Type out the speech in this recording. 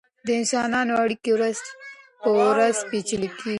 د انسانانو اړیکې ورځ په ورځ پیچلې کیږي.